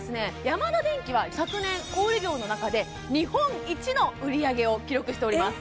ヤマダデンキは昨年小売業の中で日本一の売り上げを記録しております